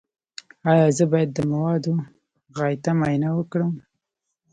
ایا زه باید د مواد غایطه معاینه وکړم؟